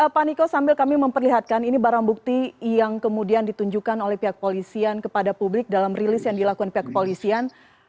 pak niko sambil kami memperlihatkan ini barang bukti yang kemudian ditunjukkan oleh pihak polisian kepada publik dalam rilis yang dilakukan pihak kepolisian